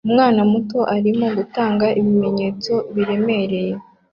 Umwana muto arimo gutanga ibimenyetso biremereye